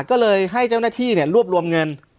ก็เลยให้เจ้าหน้าที่รวบรวมเงิน